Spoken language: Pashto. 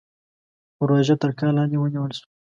پروژه تر کار لاندې ونيول شوه.